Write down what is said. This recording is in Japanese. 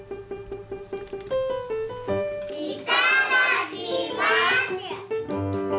いただきます！